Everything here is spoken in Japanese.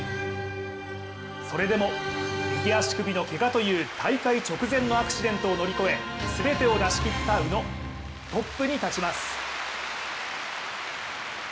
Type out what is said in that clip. それでも右足首のけがという大会直前のアクシデントを乗り越え全てを出し切った宇野、トップに立ちます。